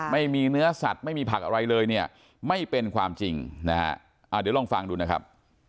ไม่มีเนื้อสัตว์ไม่มีผักอะไรเลยเนี่ยไม่เป็นความจริงนะฮะเดี๋ยวลองฟังดูนะครับ